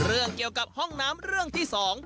เรื่องเกี่ยวกับห้องน้ำเรื่องที่สอง